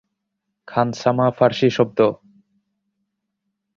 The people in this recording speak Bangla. খানসামা ফারসী শব্দ।